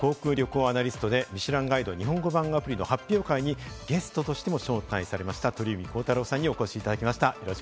今朝は航空・旅行アナリストで『ミシュランガイド』日本語版アプリの発表会にゲストとしても招待されました、鳥海高太朗さんにお越しいただきました。